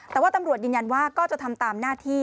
แต่ว่าตำรวจยืนยันว่าก็จะทำตามหน้าที่